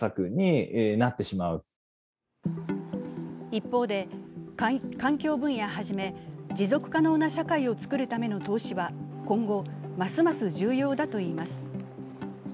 一方で、環境分野はじめ、持続可能な社会を作るための投資は今後ますます重要だといいます。